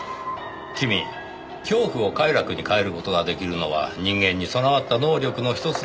君恐怖を快楽に変える事ができるのは人間に備わった能力の一つですよ。